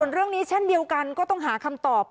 เรื่องนี้เช่นเดียวกันก็ต้องหาคำตอบ